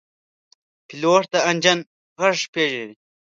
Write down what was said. پیلوټ د انجن غږ پېژني.